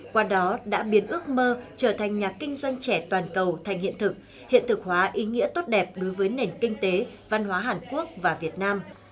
qua đó đã biến ước mơ trở thành nhà kinh doanh trẻ toàn cầu thành hiện thực hiện thực hóa ý nghĩa tốt đẹp đối với nền kinh tế văn hóa hàn quốc và việt nam